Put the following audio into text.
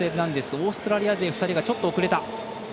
オーストラリア勢がちょっと遅れた。